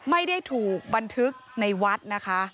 ไม่ได้ถูกบันทึกในวัดนะคะ